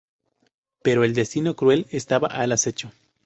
Pero el destino cruel estaba al acecho.